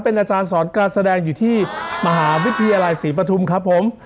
เป็นอาจารย์สอนการแสดงอยู่ที่มหาวิทยาลัยศรีปฐุมครับผม